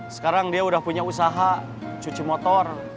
sekarang dia sudah punya usaha cuci motor